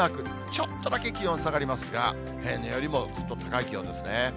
ちょっとだけ、気温下がりますが、平年よりもずっと高い気温ですね。